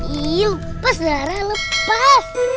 iya pas darah lepas